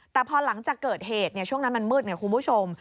แต่พอหลังจากเกิดเหตุช่วงนั้นมันมืดไงคุณผู้ชม